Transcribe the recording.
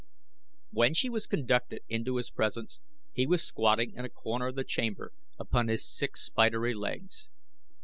When she was conducted into his presence he was squatting in a corner of the chamber upon his six spidery legs.